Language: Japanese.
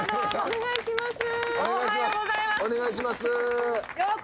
お願いします。